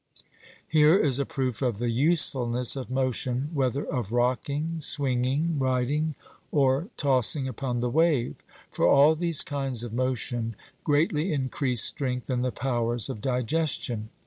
Here is a proof of the usefulness of motion, whether of rocking, swinging, riding, or tossing upon the wave; for all these kinds of motion greatly increase strength and the powers of digestion.